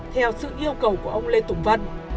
theo sự yêu cầu của ông lê tùng vân